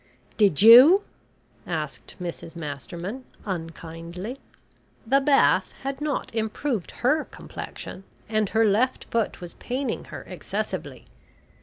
"Did you?" asked Mrs Masterman unkindly. The bath had not improved her complexion, and her left foot was paining her excessively.